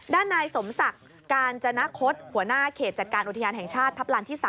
ด้านนายสมศักดิ์กาญจนคศหัวหน้าเขตจัดการอุทยานแห่งชาติทัพลานที่๓